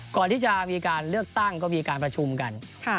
ก่อนที่จะมีการเลือกตั้งก็มีการประชุมกัน